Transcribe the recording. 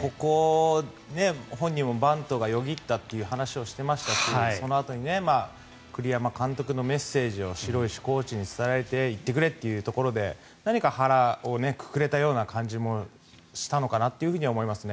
ここ、本人もバントがよぎったという話をしていましたしそのあとに栗山監督のメッセージを城石コーチに伝えられて行ってくれということで何か、腹をくくれたような感じもしたのかなとは思いますね。